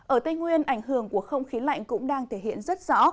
ở tây nguyên ảnh hưởng của không khí lạnh cũng đang thể hiện rất rõ